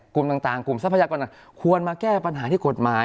กลุ่มต่างกลุ่มทรัพยากรต่างควรมาแก้ปัญหาที่กฎหมาย